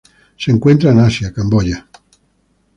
Se encuentran en Asia: Camboya.